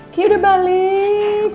ki udah balik